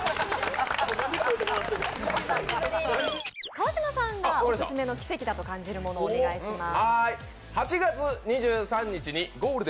川島さんがオススメの奇跡だと感じるもの、お願いします